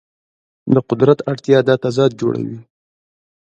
د قدرت اړتیا دا تضاد جوړوي.